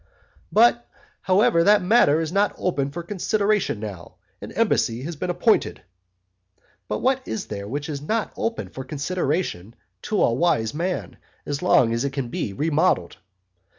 "But, however, that matter is not open for consideration now, an embassy has been appointed." But what is there which is not open for consideration to a wise man, as long as it can be remodelled?